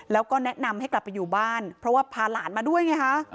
แล้วก็แนะนำให้กลับไปอยู่บ้านเพราะว่าพาหลานมาด้วยไงฮะ